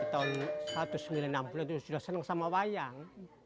di tahun seribu sembilan ratus enam puluh itu sudah senang sama wayang